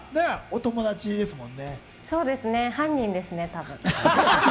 そうですね、犯人ですね、多分。